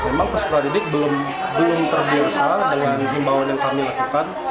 memang peserta didik belum terbiasa dengan himbawan yang kami lakukan